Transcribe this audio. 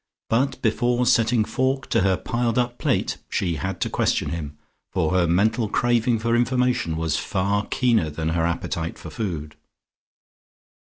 But before setting fork to her piled up plate, she had to question him, for her mental craving for information was far keener than her appetite for food.